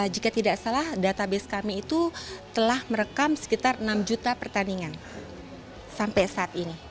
jika tidak salah database kami itu telah merekam sekitar enam juta pertandingan sampai saat ini